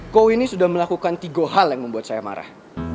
ko ini sudah melakukan tiga hal yang membuat saya marah